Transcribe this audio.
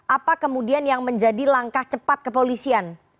apa kemudian yang menjadi langkah cepat kepolisian